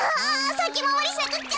さきまわりしなくっちゃ。